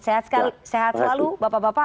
sehat sekali sehat selalu bapak bapak